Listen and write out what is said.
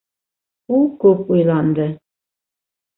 Ул күп уйланды.